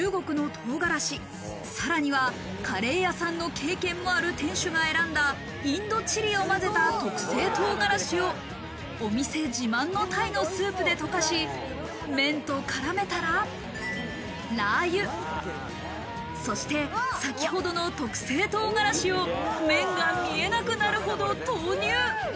日本の唐辛子、鷹の爪に韓国と中国の唐辛子、さらにはカレー屋さんの経験もある店主が選んだインドチリを混ぜた特製唐辛子をお店自慢の鯛のスープで溶かし、麺と絡めたらラー油、そして先ほどの特製唐辛子を麺が見えなくなるほど投入。